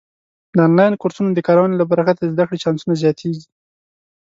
د آنلاین کورسونو د کارونې له برکته د زده کړې چانسونه زیاتېږي.